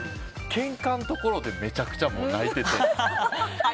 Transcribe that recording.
けんかのところでめちゃくちゃもう泣いてて。